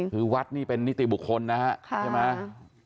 คือวัดนี่เป็นนิติบุคคลนะฮะใช่ไหม